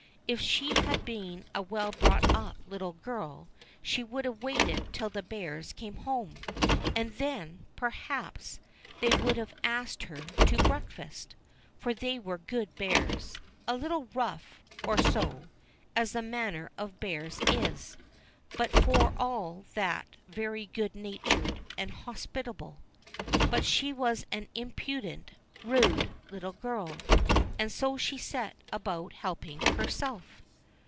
If she had been a well brought up little girl she would have waited till the Bears came home, and then, perhaps, they would have asked her to breakfast ; for they were good Bears — a little rough or so, as the manner of Bears is, but for all that very good natured and hospitable. But she was an impudent, rude little girl, and so she set about helping herself.